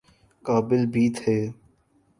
قابل بھی تھے۔